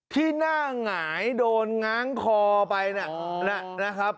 ที่หน้าหงายโดนง้างคอไปนะครับ